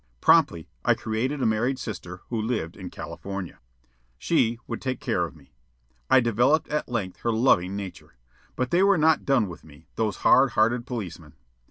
Promptly I created a married sister who lived in California. She would take care of me. I developed at length her loving nature. But they were not done with me, those hard hearted policemen.